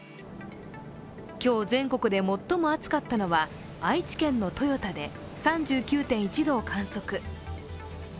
今日、全国で最も厚かったのは、愛知県の豊田で３９．１度を観測。